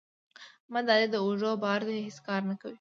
احمد د علي د اوږو بار دی؛ هیڅ کار نه کوي.